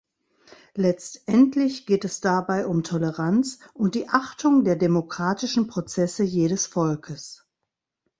Letztendlich geht es dabei um Toleranz und die Achtung der demokratischen Prozesse jedes Volkes.